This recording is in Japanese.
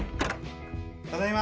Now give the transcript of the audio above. ただいま。